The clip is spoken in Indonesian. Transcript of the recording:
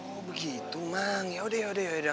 oh begitu man yaudah yaudah yaudah